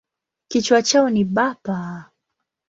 Kichwa chao ni bapa.